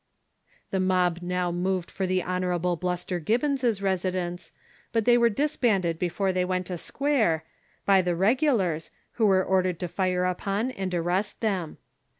The mob now moved for the Hon. Bluster Gibbons' residence, but they were disbanded before they Avent a sipiare, by the Regulars, who were ordered to fire \i]ion and arrest them.